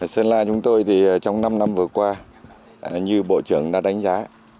sơn la chúng tôi thì trong năm năm vừa qua như bộ trưởng đã đánh giá